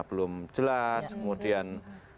belum jelas kemudian